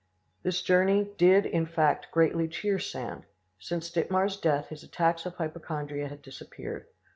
This journey did in fact greatly cheer Sand. Since Dittmar's death his attacks of hypochondria had disappeared.